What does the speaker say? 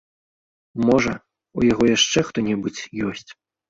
Можа, у яго яшчэ хто-небудзь ёсць?